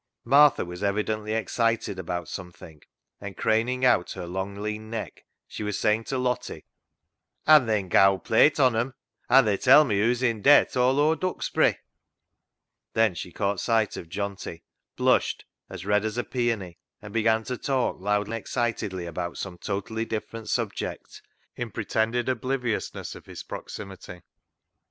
Martha was evidently excited about some FOR BETTER, FOR WORSE 169 thing, and craning out her long lean neck, she was saying to Lottie —" An' theyn gowd plate on 'em, an' they tell me hoo's i' debt aw o'er Duxbury." Then she caught sight of Johnty, blushed " as red as a peony," and began to talk loudly and excitedly about some totally dif ferent subject, in pretended obliviousness of his proximity.